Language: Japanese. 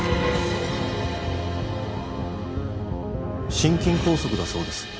心筋梗塞だそうです。